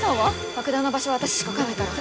爆弾の場所は私しか分かんないから。